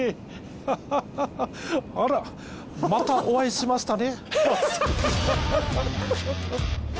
ハハハハあらまたお会いしましたね